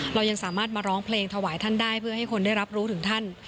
เรายังสามารถมาร้องเพลงถวายท่านได้เพื่อให้คนได้รับรู้ถึงท่าน